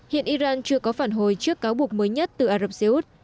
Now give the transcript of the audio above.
hiện iran chưa có phản hồi trước cáo buộc mới nhất từ ả rập xê út